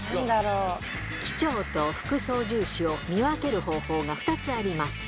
機長と副操縦士を見分ける方法が２つあります。